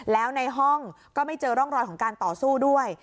แล้วในห้องก็ไม่เจอร่องรอยของการต่อสู้ด้วย